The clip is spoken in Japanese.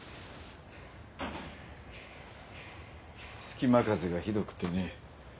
隙間風がひどくてね。